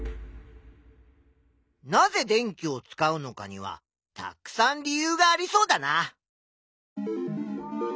なぜ電気を使うのかにはたくさん理由がありそうだな。